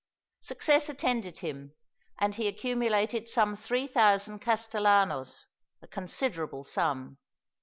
Success attended him, and he accumulated some three thousand castalanos a considerable sum.